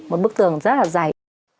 một bức tường rất là dày